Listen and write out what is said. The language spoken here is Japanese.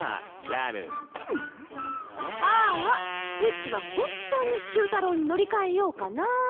ああうちは本当に終太郎に乗り換えようかなぁ。